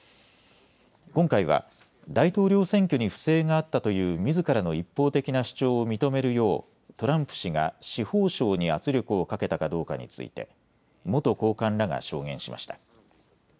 今回は大統領選挙に不正があったというみずからの一方的な主張を認めるようトランプ氏が司法省に圧力をかけたかどうかについて元高官らが証言しました。